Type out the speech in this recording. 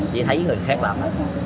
chỉ thấy người khác làm